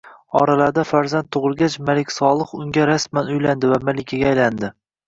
— Oralarida farzand tug‘ilgach, Malik Solih unga rasman uylandi va malikaga aylantirdi